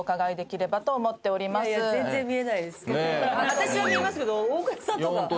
私は見えますけど大倉さんとか。